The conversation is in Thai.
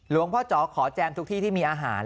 พ่อจ๋อขอแจมทุกที่ที่มีอาหาร